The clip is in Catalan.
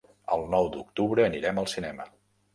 El nou d'octubre anirem al cinema.